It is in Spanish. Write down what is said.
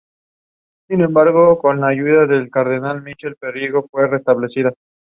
Acabada la guerra, volvieron las monjas.